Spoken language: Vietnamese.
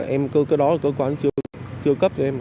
em cơ đó cơ quan chưa cấp cho em